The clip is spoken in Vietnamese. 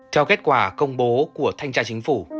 theo kết quả công bố của thanh tra chính phủ